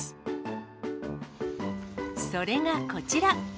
それがこちら。